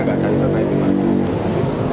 tidak ada intervensi